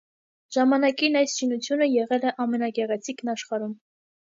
Ժամանակին այս շինությունը եղել է ամենագեղեցիկն աշխարհում։